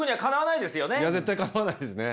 いや絶対にかなわないですね。